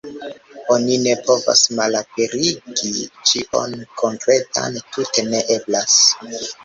Oni ne povas malaperigi ĉion konkretan, tute ne eblas.